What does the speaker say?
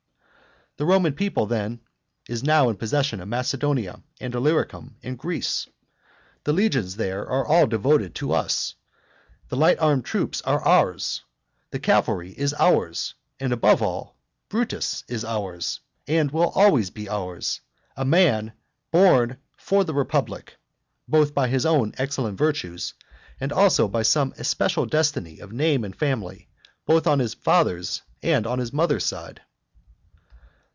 The Roman people then is now in possession of Macedonia, and Illyricum, and Greece. The legions there are all devoted to us, the light armed troops are ours, the cavalry is ours, and, above all, Brutus is ours, and always will be ours a man born for the republic, both by his own most excellent virtues, and also by some especial destiny of name and family, both on his father's and on his mother's side.